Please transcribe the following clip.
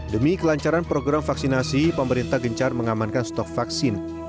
demi kelancaran program vaksinasi pemerintah gencar mengamankan stok vaksin